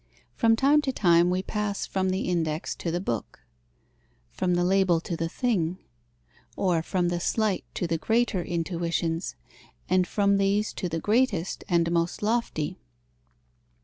From time to time we pass from the index to the book, from the label to the thing, or from the slight to the greater intuitions, and from these to the greatest and most lofty.